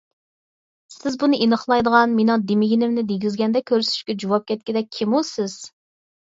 سىز بۇنى ئېنىقلايدىغان، مېنىڭ دېمىگىنىمنى دېگۈزگەندەك كۆرسىتىشكە جۇۋاپ كەتكۈدەك كىمۇ سىز؟